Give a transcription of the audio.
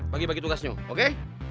bagi bagi tugasnya oke